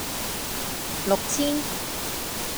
六千